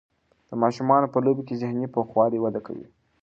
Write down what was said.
د ماشومانو په لوبو کې ذهني پوخوالی وده کوي.